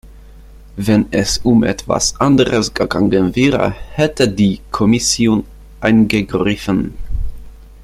Wenn es um etwas anderes gegangen wäre, hätte die Kommission eingegriffen.